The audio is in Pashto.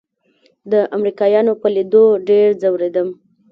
د امريکايانو په ليدو ډېر ځورېدم.